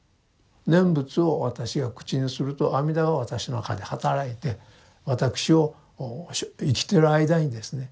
念仏を私が口にすると阿弥陀が私の中ではたらいて私を生きてる間にですね